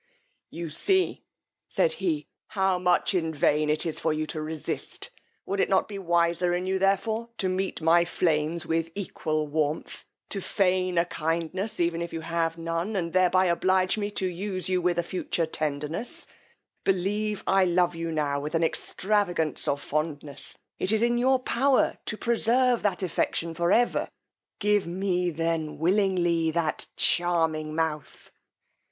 You see, said he, how much in vain it is for you to resist: would it not be wiser in you, therefore, to meet my flames with equal warmth; to feign a kindness even if you have none, and thereby oblige me to use you with a future tenderness: believe I love you now with an extravagance of fondness: it is in your power to preserve that affection for ever: give me then willingly that charming mouth.